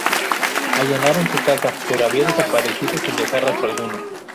Allanaron su casa pero había desaparecido sin dejar rastro alguno.